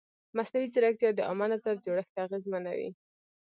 مصنوعي ځیرکتیا د عامه نظر جوړښت اغېزمنوي.